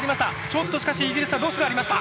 ちょっとしかしイギリスはロスがありました。